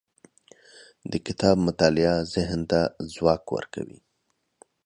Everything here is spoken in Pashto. د کتاب مطالعه ذهن ته ځواک ورکوي.